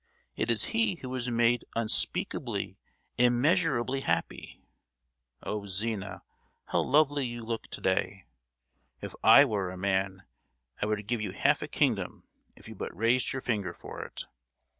It is he who is made unspeakably, immeasurably happy. Oh! Zina, how lovely you look to day. If I were a man I would give you half a kingdom if you but raised your finger for it!